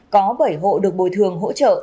có bảy hộ được bồi thường hỗ trợ